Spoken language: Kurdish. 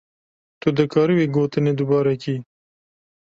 Tu dikarî wê gotinê dubare kî.